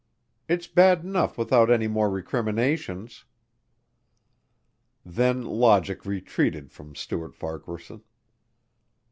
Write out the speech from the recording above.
It's bad enough without any more recriminations." Then logic retreated from Stuart Farquaharson.